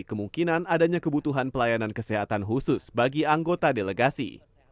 kemungkinan adanya kebutuhan pelayanan kesehatan khusus bagi anggota delegasi